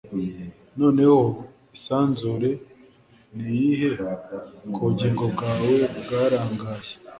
noneho isanzure niyihe kubugingo bwawe bwarangaye